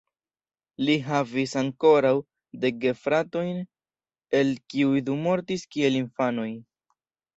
Li havis ankoraŭ dek gefratojn, el kiuj du mortis kiel infanoj.